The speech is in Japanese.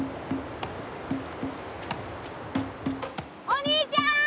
お兄ちゃん！